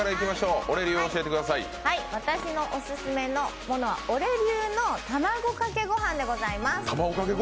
私のオススメのものはオレ流の卵かけご飯でございます。